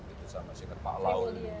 itu sama sikapaklau